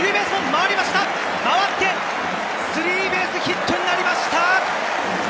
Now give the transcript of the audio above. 回ってスリーベースヒットになりました！